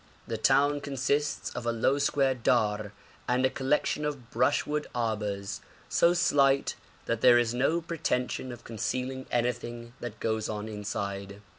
The town consists of a low square dar and a collection of brushwood arbours, so slight that there is no pretension of concealing anything that goes on inside.